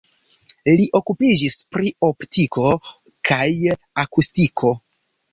Li okupiĝis pri optiko kaj akustiko.